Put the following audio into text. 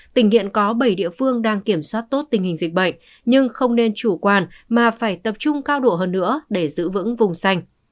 tỉnh hiện có bảy địa phương đang kiểm soát tốt tình hình dịch bệnh nhưng không nên chủ quan mà phải tập trung cao độ hơn nữa để giữ vững vùng xanh